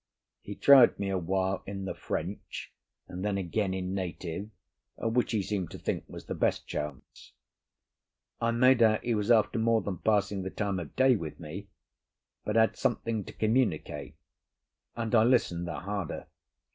He tried me awhile in the French, and then again in native, which he seemed to think was the best chance. I made out he was after more than passing the time of day with me, but had something to communicate, and I listened the harder.